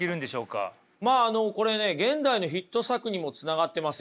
まああのこれね現代のヒット作にもつながってますよ。